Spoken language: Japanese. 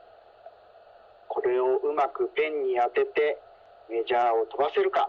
これをうまくペンにあててメジャーをとばせるか。